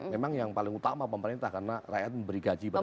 memang yang paling utama pemerintah karena rakyat memberi gaji bagi